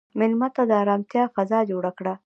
مېلمه ته د ارامتیا فضا جوړ کړه.